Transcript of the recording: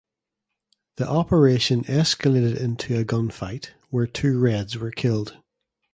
The operation escalated into a gunfight where two Reds were killed.